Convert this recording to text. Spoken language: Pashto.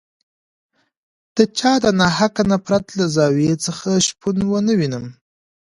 د چا د ناحقه نفرت له زاویې څخه شپون ونه وینم.